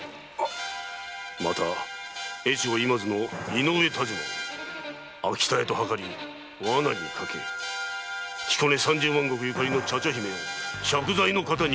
また越後今津の井上但馬を秋田屋と謀り罠にかけ彦根三十万石ゆかりの茶々姫を借財のカタに手に入れようとした。